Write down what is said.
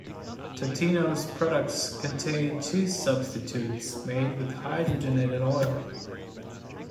Totino's products contain cheese substitutes made with hydrogenated oil.